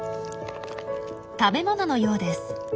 食べ物のようです。